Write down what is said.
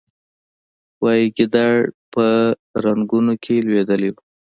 وایي ګیدړ په رنګونو کې لوېدلی و.